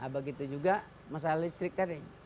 begitu juga masalah listrik tadi